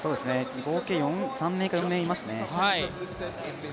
合計３４名いますね。